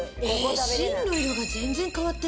芯の色が全然変わってないんだ。